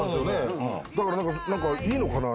だから何かいいのかな？